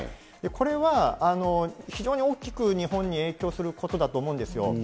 これは非常に大きく日本に影響することだと思うんですよ。